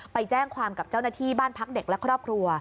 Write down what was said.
ไปแจ้งความกับเจ้าหน้าที่บ้านพักเด็กและครอบครัว